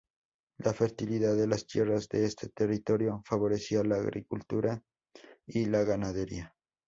La fertilidad de las tierras de este territorio favorecía la agricultura y la ganadería.